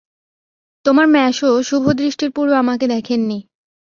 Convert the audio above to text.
তোমার মেসো শুভদৃষ্টির পূর্বে আমাকে দেখেন নি।